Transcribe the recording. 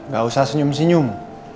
gak usah senyum senyum